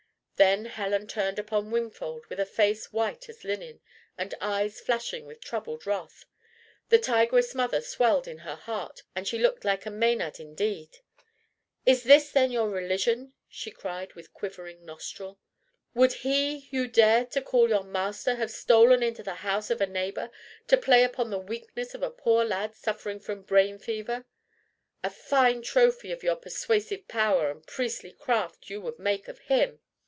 Then Helen turned upon Wingfold with a face white as linen, and eyes flashing with troubled wrath. The tigress mother swelled in her heart, and she looked like a Maenad indeed. "Is this then your religion?" she cried with quivering nostril. "Would he you dare to call your master have stolen into the house of a neighbour to play upon the weakness of a poor lad suffering from brain fever? A fine trophy of your persuasive power and priestly craft you would make of him!